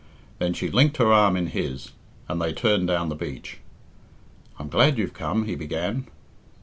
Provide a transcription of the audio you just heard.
Then she linked her arm in his, and they turned down the beach. "I'm glad you've come," he began.